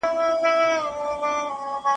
د دوکتورا برنامه له مشورې پرته نه اعلانیږي.